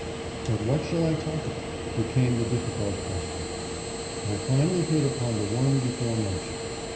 But what shall I talk about ? became the difficult question. I finally hit upon the one before mentioned.